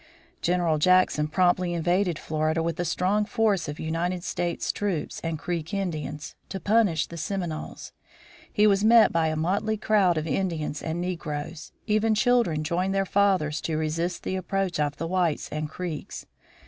General Jackson promptly invaded Florida with a strong force of United States troops and Creek Indians, to punish the Seminoles. He was met by a motley crowd of Indians and negroes. Even children joined their fathers to resist the approach of the whites and Creeks.